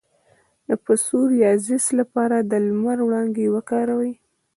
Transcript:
د پسوریازیس لپاره د لمر وړانګې وکاروئ